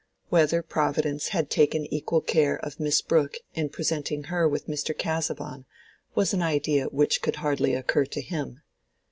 Whether Providence had taken equal care of Miss Brooke in presenting her with Mr. Casaubon was an idea which could hardly occur to him.